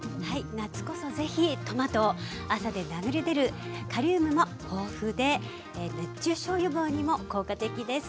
夏こそ是非トマトを汗で流れ出るカリウムも豊富で熱中症予防にも効果的です。